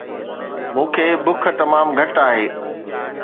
مون کي بک تمام گهٽ آهي